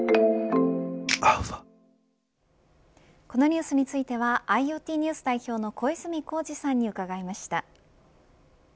このニュースについてはＩｏＴＮＥＷＳ代表の小泉耕二さんに伺いました。